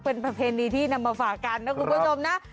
เป็นประเพณีที่นำมาฝากกันนะคุณผู้ชมนะ